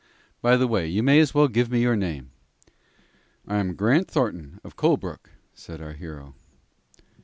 By the way, you may as well give me your name." "I am Grant Thornton, of Colebrook," said our hero.